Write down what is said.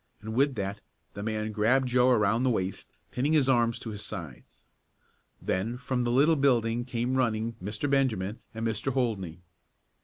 and with that the man grabbed Joe around the waist, pinning his arms to his sides. Then from the little building came running Mr. Benjamin and Mr. Holdney.